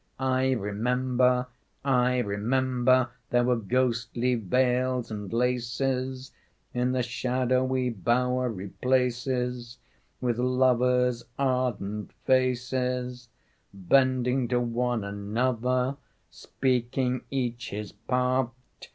I remember, I remember There were ghostly veils and laces... In the shadowy bowery places... With lovers' ardent faces Bending to one another, Speaking each his part.